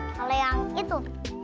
kalau yang itu